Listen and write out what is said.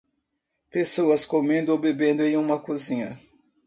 Pessoas comendo ou bebendo em uma cozinha.